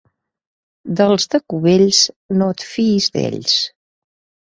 Dels de Cubells, no et fiïs d'ells.